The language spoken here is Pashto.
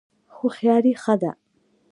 هوښیاري ښه ده.